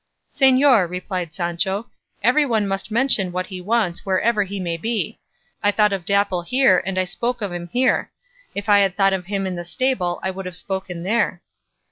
"Señor," replied Sancho, "every one must mention what he wants wherever he may be; I thought of Dapple here, and I spoke of him here; if I had thought of him in the stable I would have spoken there."